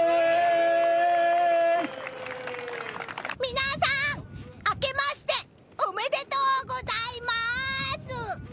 皆さん、あけましておめでとうございます！